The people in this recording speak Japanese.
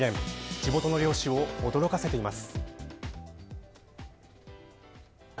地元の漁師を驚かせています。